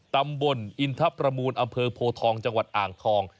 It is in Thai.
ตำบลอินทรประมูลอำเภอโพทองจังหวัดอ่างทอง